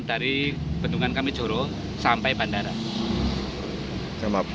dari bendungan kami joro sampai bandara